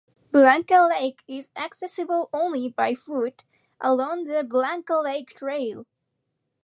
Blanca Lake is accessible only by foot, along the Blanca Lake Trail.